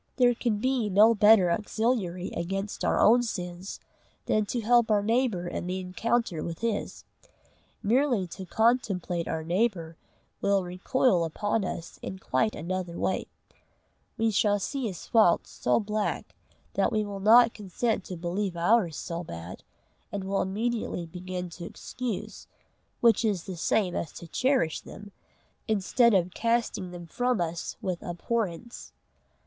There can be no better auxiliary against our own sins than to help our neighbour in the encounter with his. Merely to contemplate our neighbour will recoil upon us in quite another way: we shall see his faults so black, that we will not consent to believe ours so bad, and will immediately begin to excuse, which is the same as to cherish them, instead of casting them from us with abhorrence.